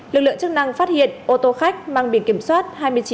lực lượng chức năng phát hiện ô tô khách mang biển kiểm soát hai mươi chín